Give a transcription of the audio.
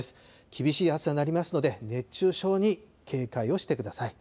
厳しい暑さになりますので、熱中症に警戒をしてください。